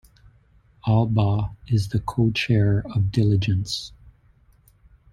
Allbaugh is the co-chair of Diligence.